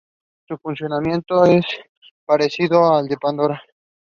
Vivek gets enraged at the incident.